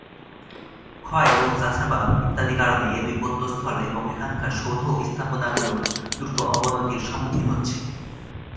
ক্ষয় এবং চাষাবাদ ইত্যাদি কারণে এই দুই প্রত্নস্থল এবং এখানকার সৌধ ও স্থাপনা গুলো দ্রুত অবনতির সম্মুখীন হচ্ছে।